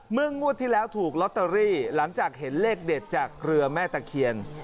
งวดที่แล้วถูกลอตเตอรี่หลังจากเห็นเลขเด็ดจากเรือแม่ตะเคียน